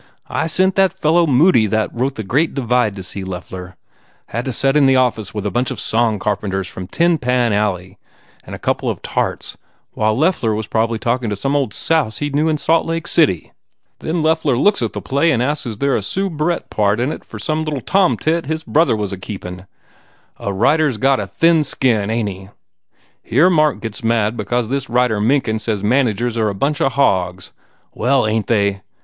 I sent that fellow Moody that wrote the Great Divide to see Loeffler. Had to set in the office with a bunch of song carpenters from tin pan alley and a couple of tarts while Loeffler was prob ly talkin to some old souse he d knew in Salt Lake City. And then Loeffler looks at the play and asks is there a soobrette part in it for some tomtit his brother was keepin ! A writer s got a thin skin, ain t he? Here Mark gets mad because this writer Mencken says managers are a bunch of hogs. Well, ain t they?